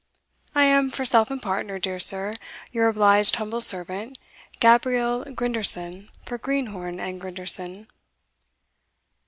I am, for self and partner, dear sir, your obliged humble servant, Gabriel Grinderson, for Greenhorn and Grinderson."